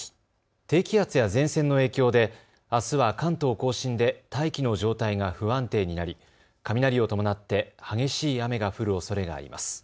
低気圧や前線の影響であすは関東甲信で大気の状態が不安定になり雷を伴って激しい雨が降るおそれがあります。